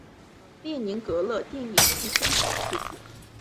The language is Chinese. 列宁格勒电影制片厂出品。